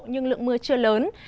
nhưng lượng mưa chưa lớn